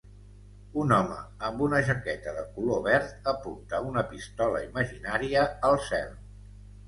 Un home amb una jaqueta de color verd apunta una pistola imaginària al cel.